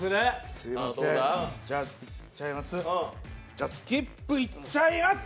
じゃあ、スキップいっちゃいます。